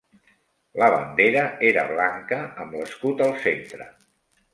La bandera era blanca amb l'escut al centre.